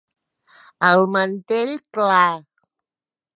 El mantell clar.